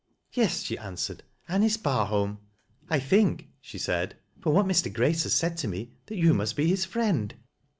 Yes," she answered, " A.nice Barholm. I think," she said, " from what Mr. Grace has said to me, that you musi be his friend."